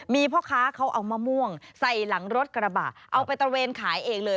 มีพ่อค้าเขาเอามะม่วงใส่หลังรถกระบะเอาไปตระเวนขายเองเลย